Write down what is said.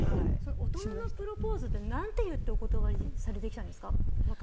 大人のプロポーズって何て言ってお断りされてきたんですか？